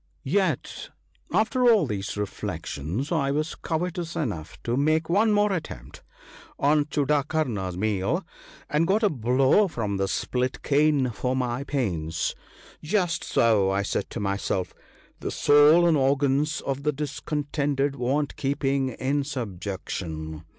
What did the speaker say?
43 Yet, after all these reflections, I was covetous enough to make one more attempt on Chudakarna's meal, and got a blow from the split cane for my pains. "Just so," I said to myself, " the soul and organs of the discontented want keeping in subjection.